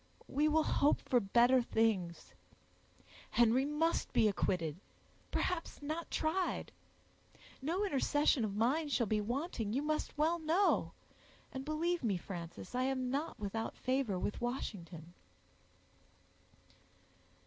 We will hope for better things. Henry must be acquitted; perhaps not tried. No intercession of mine shall be wanting, you must well know; and believe me, Frances, I am not without favor with Washington."